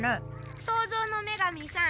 創造の女神さん